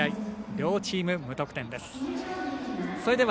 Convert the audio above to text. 両チーム、無得点です。